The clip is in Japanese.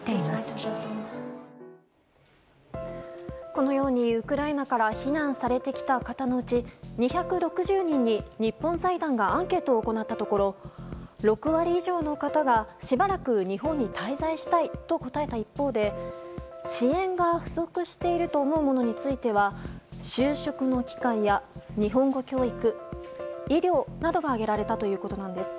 このようにウクライナから避難されてきた方のうち２６０人に日本財団がアンケートを行ったところ６割以上の方が、しばらく日本に滞在したいと答えた一方で支援が不足していると思うものについては就職の機会や日本語教育医療などが挙げられたということです。